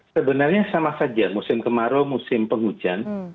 sebenarnya sama saja musim kemarau musim penghujan